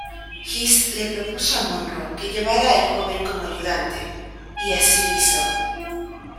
Gist le propuso a Monro que llevara al joven como ayudante, y así hizo.